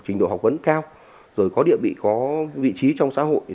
chính độ học vấn cao rồi có địa bị có vị trí trong xã hội